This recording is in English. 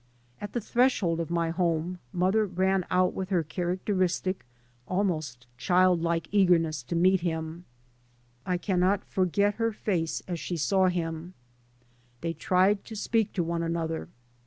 At the threshold of my home mother ran out with her characteristic almost childlike eagerness to meet him. I cannot forget her [IS9] 3 by Google MY MOTHER AND I face as she saw him. They tried to speak to one another.